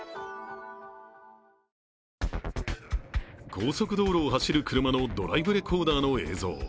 高速道路を走る車のドライブレコーダーの映像。